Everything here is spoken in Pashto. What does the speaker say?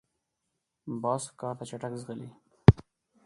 باز ښکار ته چټک ځغلي